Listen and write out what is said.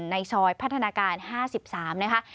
ในซอยพัฒนาการ๕๓นะคะ